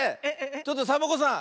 ちょっとサボ子さん